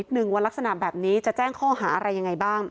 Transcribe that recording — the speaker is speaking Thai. หนึ่งวันลักษณะแบบนี้จะแจ้งข้อหาอะไรยังไงบ้าง